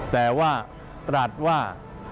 แต่ว่าตรัสว่า